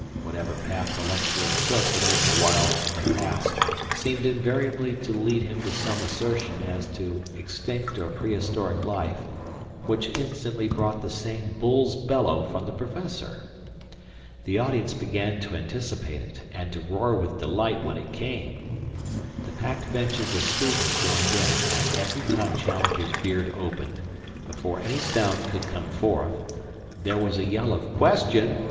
Whatever path the lecturer took amid the wilds of the past seemed invariably to lead him to some assertion as to extinct or prehistoric life which instantly brought the same bulls' bellow from the Professor. The audience began to anticipate it and to roar with delight when it came. The packed benches of students joined in, and every time Challenger's beard opened, before any sound could come forth, there was a yell of "Question!"